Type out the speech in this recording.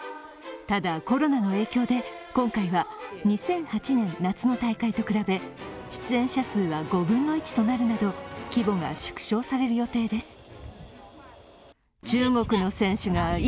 ただ、コロナの影響で今回は２００８年夏の大会と比べ、出演者数は５分の１となるなど規模が縮小される予定です。